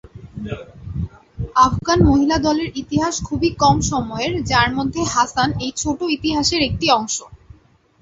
আফগান মহিলা দলের ইতিহাস খুবই কম সময়ের, যার মধ্যে হাসান এই ছোট ইতিহাসের একটি অংশ।